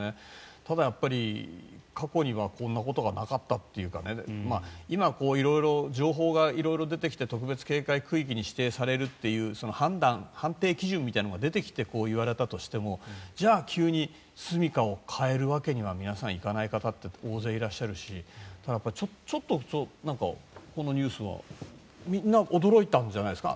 ただ、過去にはこんなことがなかったというか今、色々情報が出てきて特別警戒区域に指定されるという判定基準が出てきて出てきて、言われたとしても急に住みかを変えるわけには皆さん、いかない方って大勢いらっしゃるしちょっとこのニュースはみんな驚いたんじゃないですか。